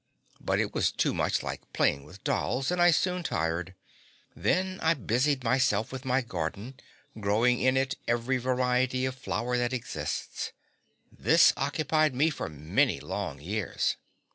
But it was too much like playing with dolls, and I soon tired. Then I busied myself with my garden, growing in it every variety of flower that exists. This occupied me for many long years.